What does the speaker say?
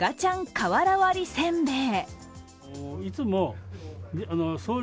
瓦割りせんべい。